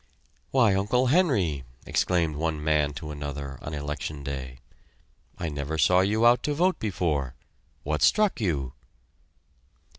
"Why, Uncle Henry!" exclaimed one man to another on election day. "I never saw you out to vote before. What struck you?"